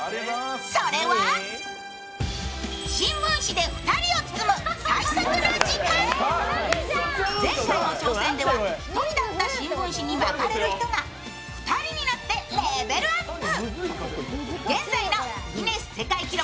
それは前回の挑戦では１人だった新聞紙に巻かれる人が２人になってレベルアップ。